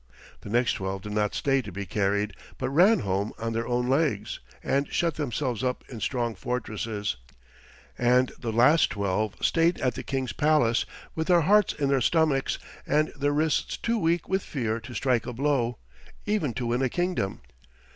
The next twelve did not stay to be carried, but ran home on their own legs and shut themselves up in strong fortresses; and the last twelve stayed at the King's palace with their hearts in their stomachs, and their wrists too weak with fear to strike a blow, even to win a kingdom.